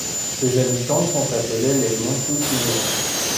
Ses habitants sont appelés les Montoussinois.